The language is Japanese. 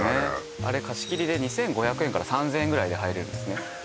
あれ貸切で２５００円から３０００円ぐらいで入れるんですね